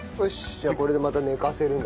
じゃあこれでまた寝かせるんだ。